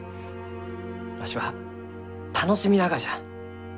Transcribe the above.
わしは楽しみながじゃ。